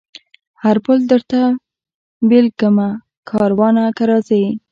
هر پل درته بلېږمه کاروانه که راځې